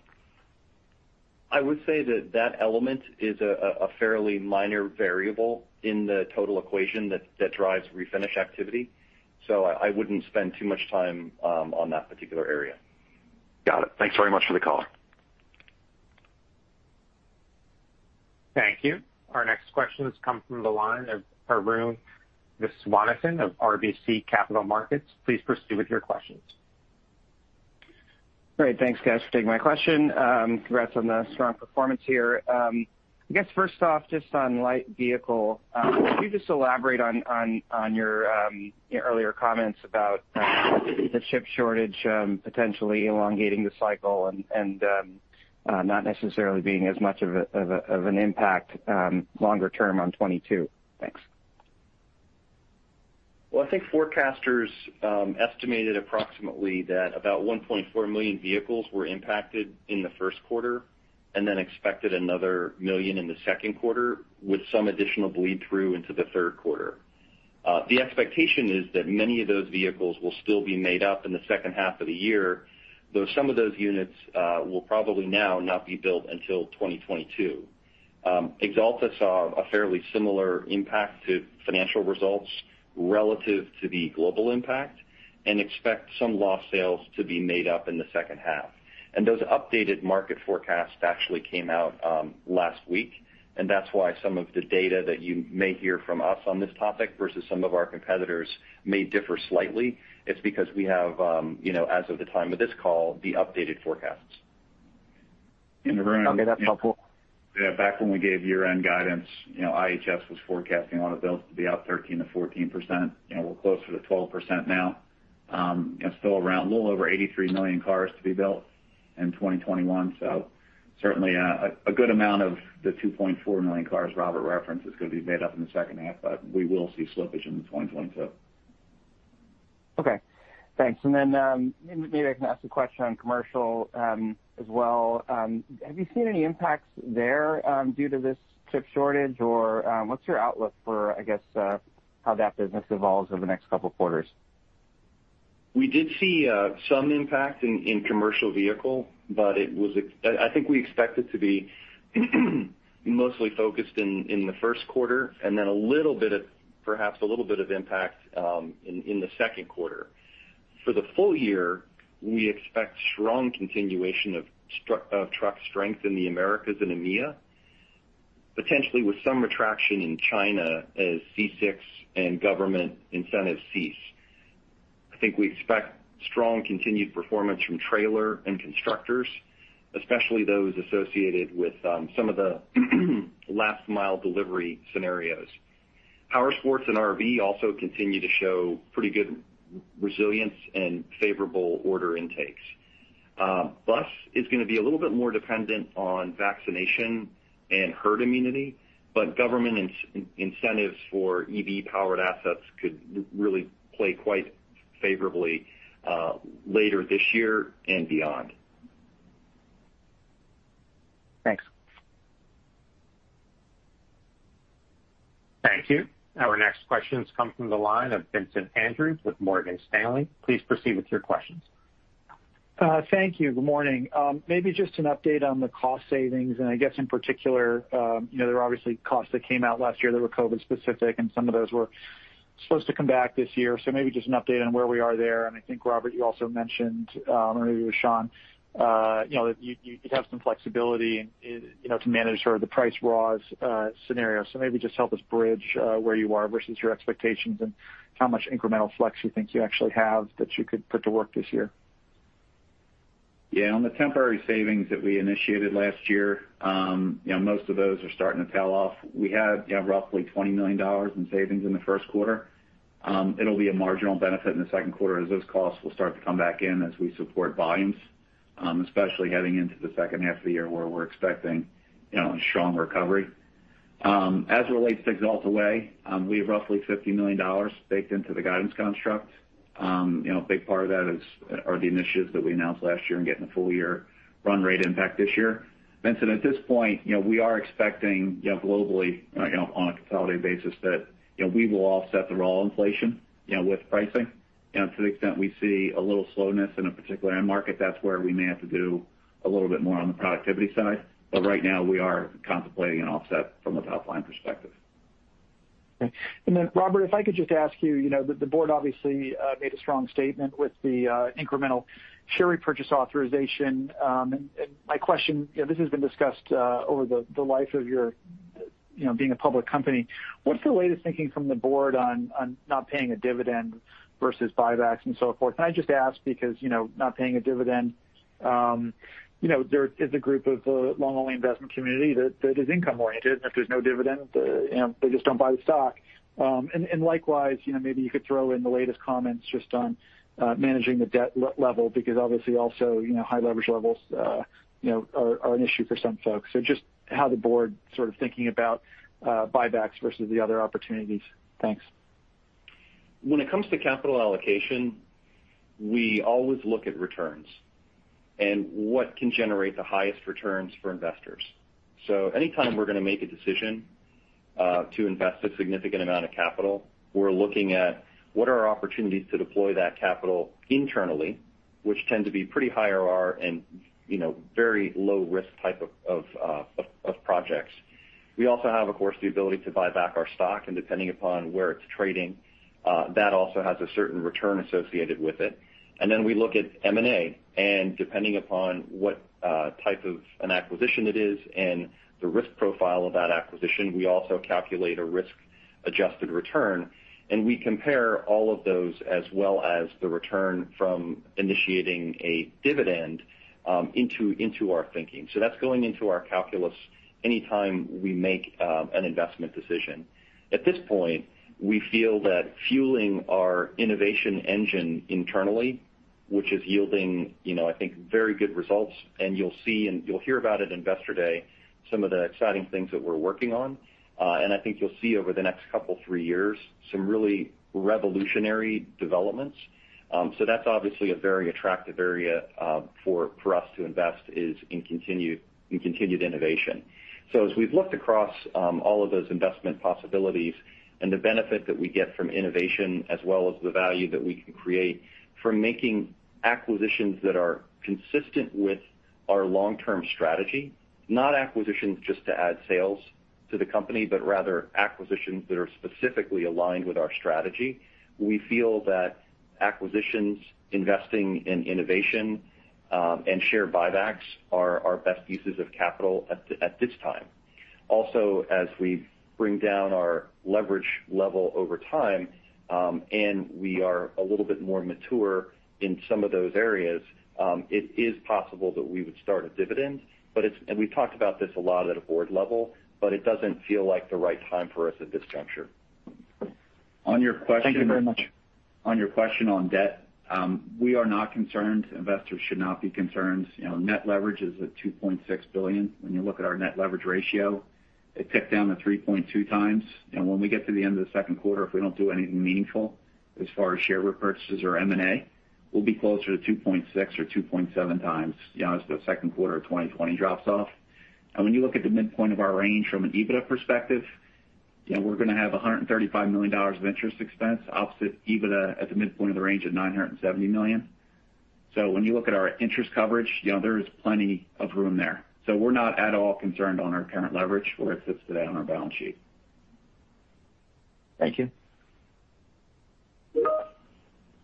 I would say that element is a fairly minor variable in the total equation that drives Refinish activity. I wouldn't spend too much time on that particular area. Got it. Thanks very much for the call. Thank you. Our next question has come from the line of Arun Viswanathan of RBC Capital Markets. Please proceed with your questions. Great. Thanks guys for taking my question. Congrats on the strong performance here. I guess first off, just on light vehicle, can you just elaborate on your earlier comments about the chip shortage potentially elongating the cycle and not necessarily being as much of an impact longer term on 2022? Thanks. Well, I think forecasters estimated approximately that about 1.4 million vehicles were impacted in the first quarter, and then expected another million in the second quarter with some additional bleed through into the third quarter. The expectation is that many of those vehicles will still be made up in the second half of the year, though some of those units will probably now not be built until 2022. Axalta saw a fairly similar impact to financial results relative to the global impact and expect some lost sales to be made up in the second half. Those updated market forecasts actually came out last week, and that's why some of the data that you may hear from us on this topic versus some of our competitors may differ slightly. It's because we have as of the time of this call, the updated forecasts. Arun- Okay, that's helpful. Yeah. Back when we gave year-end guidance, IHS was forecasting automobiles to be out 13%-14%. We're closer to 12% now. Still around a little over 83 million cars to be built in 2021. Certainly a good amount of the 2.4 million cars Robert referenced is going to be made up in the second half, but we will see slippage into 2022. Okay, thanks. Maybe I can ask a question on commercial as well. Have you seen any impacts there due to this chip shortage, or what's your outlook for how that business evolves over the next couple of quarters? We did see some impact in commercial vehicle. I think we expect it to be mostly focused in the first quarter, and then perhaps a little bit of impact in the second quarter. For the full year, we expect strong continuation of truck strength in the Americas and EMEA, potentially with some retraction in China as C6 and government incentives cease. I think we expect strong continued performance from trailer and constructors, especially those associated with some of the last mile delivery scenarios. Powersports and RV also continue to show pretty good resilience and favorable order intakes. Bus is going to be a little bit more dependent on vaccination and herd immunity, but government incentives for EV-powered assets could really play quite favorably later this year and beyond. Thanks. Thank you. Our next question comes from the line of Vincent Andrews with Morgan Stanley. Please proceed with your questions. Thank you. Good morning. Maybe just an update on the cost savings. I guess in particular there are obviously costs that came out last year that were COVID specific, and some of those were supposed to come back this year. Maybe just an update on where we are there. I think, Robert, you also mentioned, or maybe it was Sean that you have some flexibility to manage sort of the price raws scenario. Maybe just help us bridge where you are versus your expectations and how much incremental flex you think you actually have that you could put to work this year. On the temporary savings that we initiated last year, most of those are starting to tail off. We had $20 million in savings in the first quarter. It'll be a marginal benefit in the second quarter as those costs will start to come back in as we support volumes, especially heading into the second half of the year where we're expecting a strong recovery. As it relates to The Axalta Way, we have $50 million baked into the guidance construct. A big part of that are the initiatives that we announced last year and getting a full year run rate impact this year. Vincent Andrews, at this point, we are expecting globally on a consolidated basis that we will offset the raw inflation with pricing. To the extent we see a little slowness in a particular end market, that's where we may have to do a little bit more on the productivity side. Right now, we are contemplating an offset from a top-line perspective. Okay. Then Robert, if I could just ask you, the board obviously made a strong statement with the incremental share repurchase authorization. My question, this has been discussed over the life of being a public company. What's the latest thinking from the board on not paying a dividend versus buybacks and so forth? I just ask because not paying a dividend there is a group of the long-only investment community that is income oriented, and if there's no dividend they just don't buy the stock. Likewise maybe you could throw in the latest comments just on managing the debt level because obviously also high leverage levels are an issue for some folks. Just how the board sort of thinking about buybacks versus the other opportunities. Thanks. When it comes to capital allocation, we always look at returns and what can generate the highest returns for investors. Anytime we're going to make a decision to invest a significant amount of capital, we're looking at what are our opportunities to deploy that capital internally, which tend to be pretty high IRR and very low risk type of projects. We also have, of course, the ability to buy back our stock, and depending upon where it's trading, that also has a certain return associated with it. We look at M&A, and depending upon what type of an acquisition it is and the risk profile of that acquisition, we also calculate a risk-adjusted return, and we compare all of those as well as the return from initiating a dividend into our thinking. That's going into our calculus anytime we make an investment decision. At this point, we feel that fueling our innovation engine internally, which is yielding, I think, very good results. You'll see, and you'll hear about at Investor Day some of the exciting things that we're working on. I think you'll see over the next two, three years some really revolutionary developments. That's obviously a very attractive area for us to invest is in continued innovation. As we've looked across all of those investment possibilities and the benefit that we get from innovation as well as the value that we can create from making acquisitions that are consistent with our long-term strategy, not acquisitions just to add sales to the company, but rather acquisitions that are specifically aligned with our strategy, we feel that acquisitions, investing in innovation, and share buybacks are our best uses of capital at this time. As we bring down our leverage level over time, and we are a little bit more mature in some of those areas, it is possible that we would start a dividend. We've talked about this a lot at a board level, but it doesn't feel like the right time for us at this juncture. Thank you very much. On your question on debt. We are not concerned. Investors should not be concerned. Net leverage is at $2.6 billion. When you look at our net leverage ratio, it ticked down to 3.2x. When we get to the end of the second quarter, if we don't do anything meaningful as far as share repurchases or M&A, we'll be closer to 2.6x or 2.7x as the second quarter of 2020 drops off. When you look at the midpoint of our range from an EBITDA perspective, we're going to have $135 million of interest expense opposite EBITDA at the midpoint of the range of $970 million. When you look at our interest coverage, there is plenty of room there. We're not at all concerned on our current leverage where it sits today on our balance sheet. Thank you.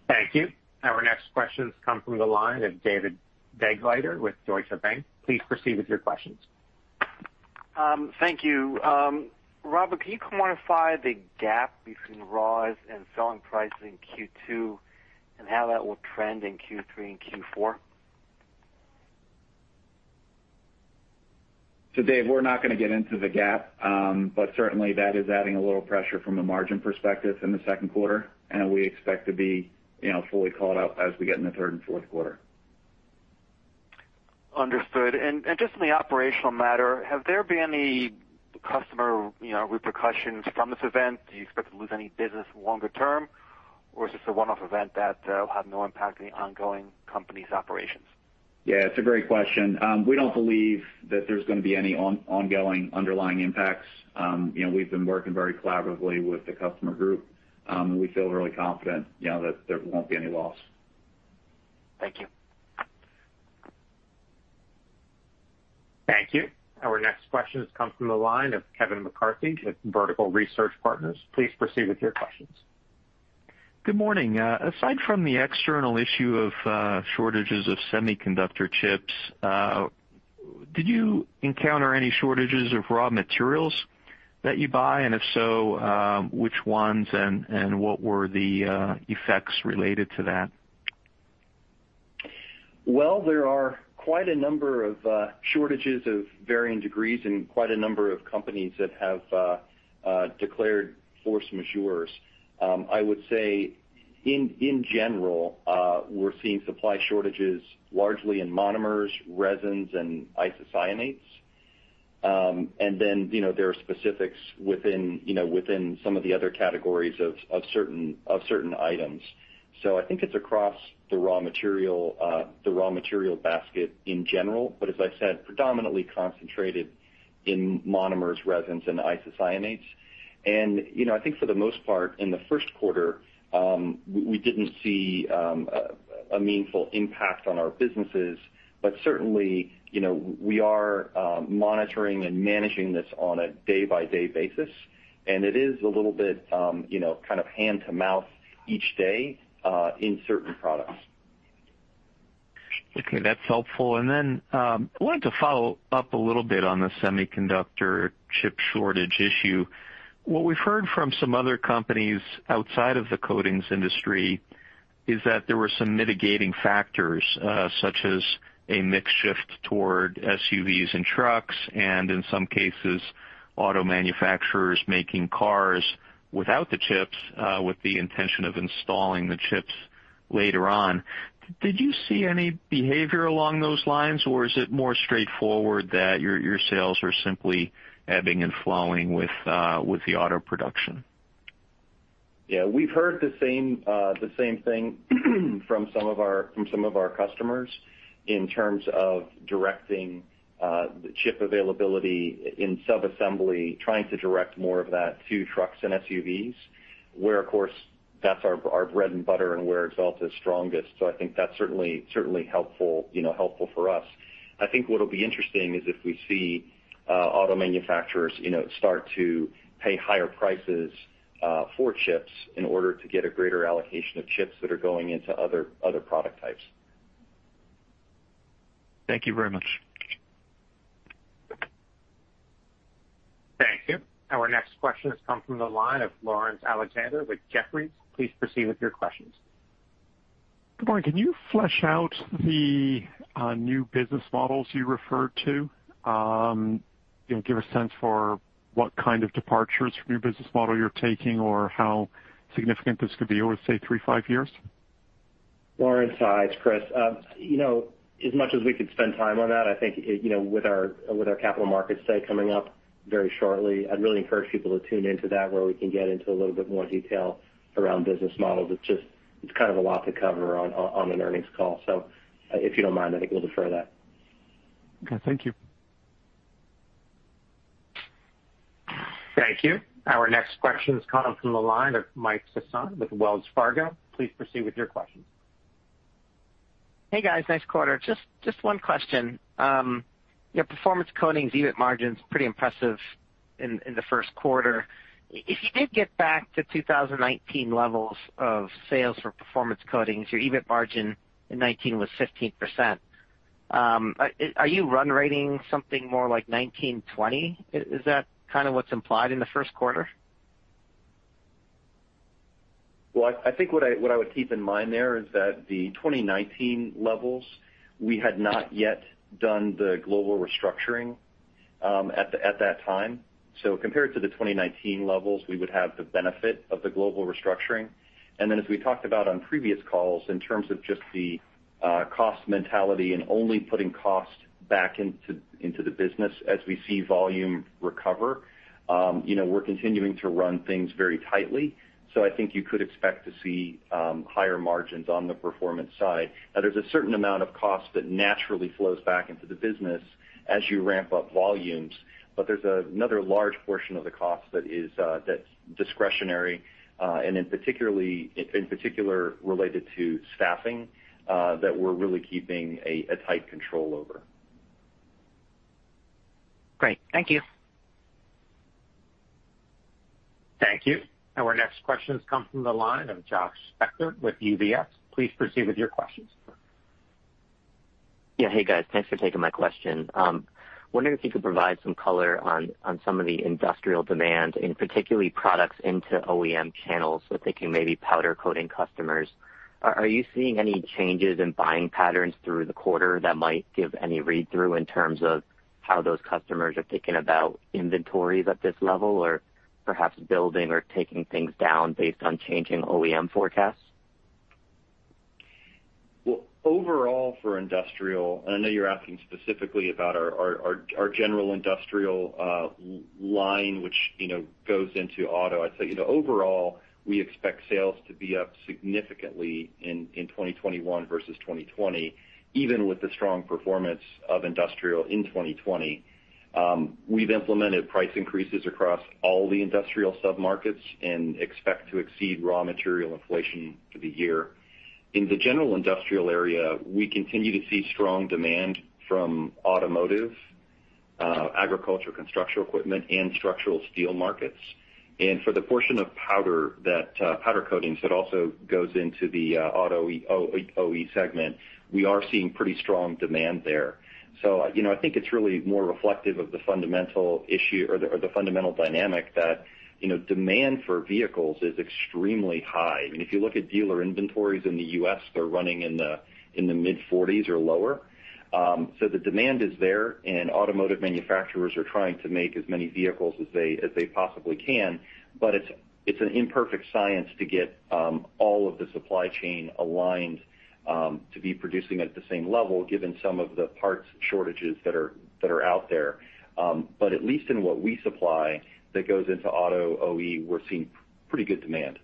Thank you. Our next question comes from the line of David Begleiter with Deutsche Bank. Please proceed with your questions. Thank you. Robert, can you quantify the gap between raws and selling prices in Q2, and how that will trend in Q3 and Q4? Dave, we're not going to get into the GAAP. Certainly that is adding a little pressure from a margin perspective in the second quarter, and we expect to be fully caught up as we get in the third and fourth quarter. Understood. Just on the operational matter, have there been any customer repercussions from this event? Do you expect to lose any business longer term, or is this a one-off event that will have no impact on the ongoing company's operations? Yeah, it's a great question. We don't believe that there's going to be any ongoing underlying impacts. We've been working very collaboratively with the customer group. We feel really confident that there won't be any loss. Thank you. Thank you. Our next question comes from the line of Kevin McCarthy with Vertical Research Partners. Please proceed with your questions. Good morning. Aside from the external issue of shortages of semiconductor chips, did you encounter any shortages of raw materials that you buy? If so, which ones and what were the effects related to that? Well, there are quite a number of shortages of varying degrees and quite a number of companies that have declared force majeure. I would say in general, we're seeing supply shortages largely in monomers, resins, and isocyanates. Then there are specifics within some of the other categories of certain items. I think it's across the raw material basket in general, as I said, predominantly concentrated in monomers, resins, and isocyanates. I think for the most part, in the first quarter, we didn't see a meaningful impact on our businesses. Certainly, we are monitoring and managing this on a day-by-day basis, and it is a little bit kind of hand to mouth each day in certain products. Okay. That's helpful. I wanted to follow up a little bit on the semiconductor chip shortage issue. What we've heard from some other companies outside of the coatings industry is that there were some mitigating factors, such as a mix shift toward SUVs and trucks, and in some cases, auto manufacturers making cars without the chips, with the intention of installing the chips later on. Did you see any behavior along those lines, or is it more straightforward that your sales are simply ebbing and flowing with the auto production? Yeah. We've heard the same thing from some of our customers in terms of directing the chip availability in sub-assembly, trying to direct more of that to trucks and SUVs, where, of course, that's our bread and butter and where Axalta is strongest. I think that's certainly helpful for us. I think what'll be interesting is if we see auto manufacturers start to pay higher prices for chips in order to get a greater allocation of chips that are going into other product types. Thank you very much. Thank you. Our next question has come from the line of Laurence Alexander with Jefferies. Please proceed with your questions. Good morning. Can you flesh out the new business models you referred to? Give a sense for what kind of departures from your business model you're taking or how significant this could be over, say, three to five years. Laurence, hi, it's Chris. As much as we could spend time on that, I think, with our Capital Markets Day coming up very shortly, I'd really encourage people to tune into that where we can get into a little bit more detail around business models. It's kind of a lot to cover on an earnings call. If you don't mind, I think we'll defer that. Okay. Thank you. Thank you. Our next question has come from the line of Mike Sison with Wells Fargo. Please proceed with your questions. Hey, guys. Nice quarter. Just one question. Your Performance Coatings EBIT margin's pretty impressive in the first quarter. If you did get back to 2019 levels of sales for Performance Coatings, your EBIT margin in 2019 was 15%. Are you run-rating something more like 19%, 20%? Is that kind of what's implied in the first quarter? Well, I think what I would keep in mind there is that the 2019 levels, we had not yet done the global restructuring at that time. Compared to the 2019 levels, we would have the benefit of the global restructuring. As we talked about on previous calls, in terms of just the cost mentality and only putting cost back into the business as we see volume recover, we're continuing to run things very tightly. I think you could expect to see higher margins on the performance side. Now, there's a certain amount of cost that naturally flows back into the business as you ramp up volumes, but there's another large portion of the cost that's discretionary, and in particular related to staffing, that we're really keeping a tight control over. Great. Thank you. Thank you. Our next question has come from the line of Josh Spector with UBS. Please proceed with your questions. Hey, guys. Thanks for taking my question. Wondering if you could provide some color on some of the industrial demand, and particularly products into OEM channels. Thinking maybe powder coating customers. Are you seeing any changes in buying patterns through the quarter that might give any read-through in terms of how those customers are thinking about inventories at this level, or perhaps building or taking things down based on changing OEM forecasts? Well, overall for industrial, and I know you're asking specifically about our general industrial line, which goes into auto. I'd say, overall, we expect sales to be up significantly in 2021 versus 2020, even with the strong performance of industrial in 2020. We've implemented price increases across all the industrial sub-markets and expect to exceed raw material inflation for the year. In the general industrial area, we continue to see strong demand from automotive, agriculture, construction equipment, and structural steel markets. For the portion of powder coatings that also goes into the auto OE segment, we are seeing pretty strong demand there. I think it's really more reflective of the fundamental dynamic that demand for vehicles is extremely high. I mean, if you look at dealer inventories in the U.S., they're running in the mid-40s or lower. The demand is there, and automotive manufacturers are trying to make as many vehicles as they possibly can. It's an imperfect science to get all of the supply chain aligned to be producing at the same level given some of the parts shortages that are out there. At least in what we supply that goes into auto OE, we're seeing pretty good demand.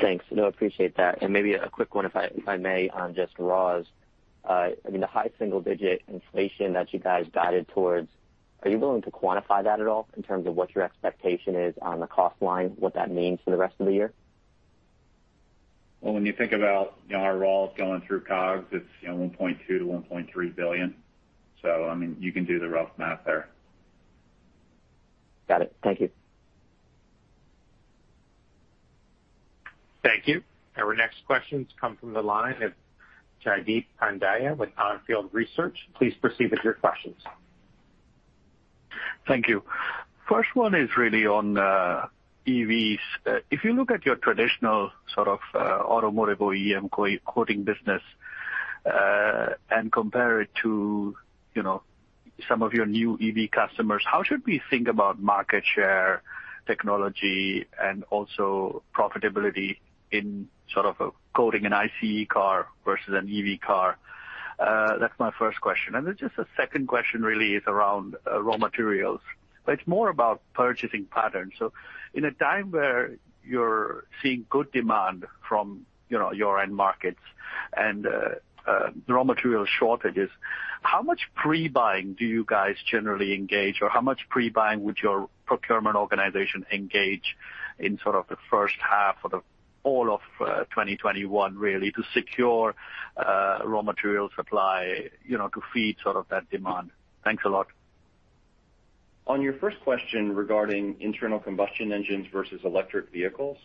Thanks. No, appreciate that. Maybe a quick one, if I may, on just raws. I mean, the high single-digit inflation that you guys guided towards, are you willing to quantify that at all in terms of what your expectation is on the cost line, what that means for the rest of the year? Well, when you think about our raws going through COGS, it's $1.2 billion-$1.3 billion. I mean, you can do the rough math there. Got it. Thank you. Thank you. Our next question's come from the line of Jaideep Pandya with On Field Research. Please proceed with your questions. Thank you. First one is really on EVs. If you look at your traditional sort of automotive OEM coating business and compare it to some of your new EV customers, how should we think about market share technology and also profitability in sort of coating an ICE car versus an EV car? That's my first question. Just the second question really is around raw materials, it's more about purchasing patterns. In a time where you're seeing good demand from your end markets and raw material shortages, how much pre-buying do you guys generally engage, or how much pre-buying would your procurement organization engage in sort of the first half or the all of 2021, really, to secure raw material supply to feed that demand? Thanks a lot. On your first question regarding internal combustion engines versus electric vehicles,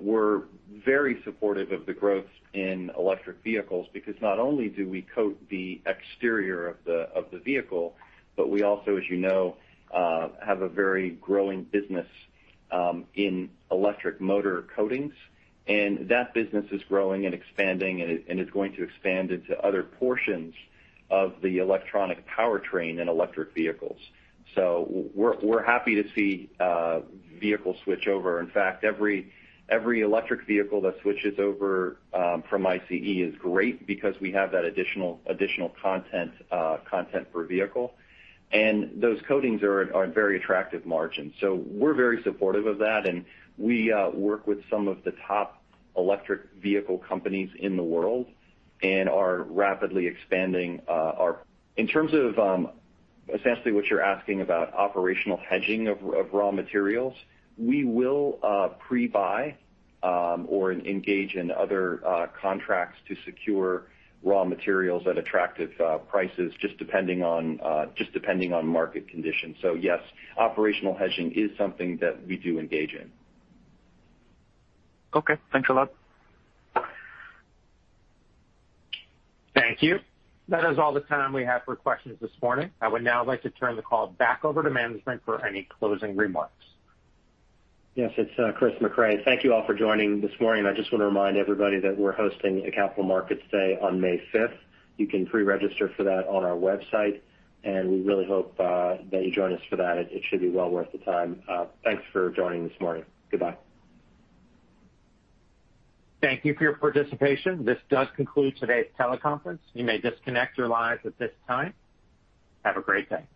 we're very supportive of the growth in electric vehicles because not only do we coat the exterior of the vehicle, but we also, as you know, have a very growing business in electric motor coatings, and that business is growing and expanding, and is going to expand into other portions of the electronic powertrain in electric vehicles. We're happy to see vehicles switch over. In fact, every electric vehicle that switches over from ICE is great because we have that additional content per vehicle. Those coatings are very attractive margins. We're very supportive of that, and we work with some of the top electric vehicle companies in the world and are rapidly expanding. In terms of essentially what you're asking about operational hedging of raw materials, we will pre-buy or engage in other contracts to secure raw materials at attractive prices, just depending on market conditions. Yes, operational hedging is something that we do engage in. Okay. Thanks a lot. Thank you. That is all the time we have for questions this morning. I would now like to turn the call back over to management for any closing remarks. Yes, it's Chris Mecray. Thank you all for joining this morning. I just want to remind everybody that we're hosting a Capital Markets Day on May 5th. You can pre-register for that on our website. We really hope that you join us for that. It should be well worth the time. Thanks for joining this morning. Goodbye. Thank you for your participation. This does conclude today's teleconference. You may disconnect your lines at this time. Have a great day.